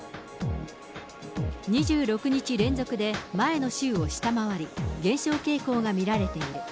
２６日連続で前の週を下回り、減少傾向が見られている。